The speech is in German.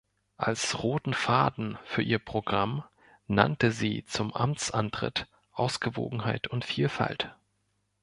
Als «roten Faden» für ihr Programm nannte sie zum Amtsantritt «Ausgewogenheit und Vielfalt.